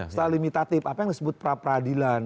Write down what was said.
setelah limitatif apa yang disebut pra peradilan